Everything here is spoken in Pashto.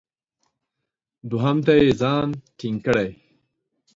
دوهم ته یې ځان ټینګ کړی.